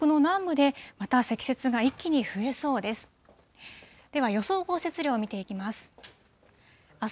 では、予想降雪量を見ていきます。